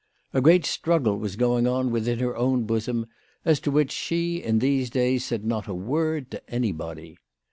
A great struggle was going on within her own bosom, as to which she in these days said not a word to anybody.